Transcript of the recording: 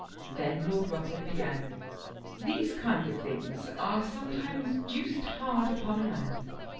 Then Lord Rufford began. "These kind of things are sometimes deuced hard upon a man.